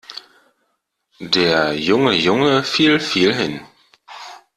Der junge Junge fiel viel hin.